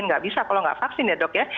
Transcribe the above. nggak bisa kalau nggak vaksin ya dok ya